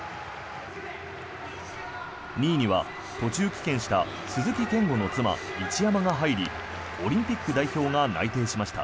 ２位には途中棄権した鈴木健吾の妻、一山が入りオリンピック代表が内定しました。